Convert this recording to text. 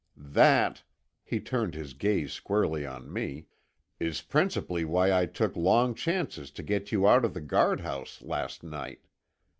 That," he turned his gaze squarely on me, "is principally why I took long chances to get you out of the guardhouse, last night.